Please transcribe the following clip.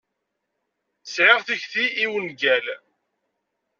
Sɛiɣ takti i wungal.